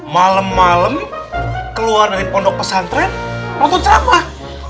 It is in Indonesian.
malem malem keluar dari pondok pesantren nonton ceramah